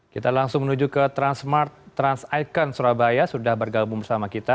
kita langsung menuju ke transmart trans icon surabaya sudah bergabung bersama kita